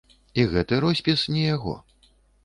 І гэты роспіс не яго.